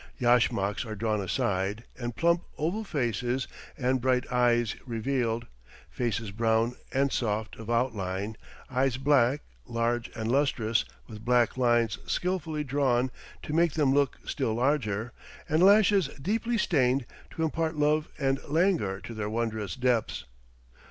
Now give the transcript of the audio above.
Yashmaks are drawn aside, and plump oval faces and bright eyes revealed, faces brown and soft of outline, eyes black, large and lustrous, with black lines skillfully drawn to make them look still larger, and lashes deeply stained to impart love and languor to their wondrous depths.